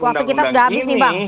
waktu kita sudah habis nih bang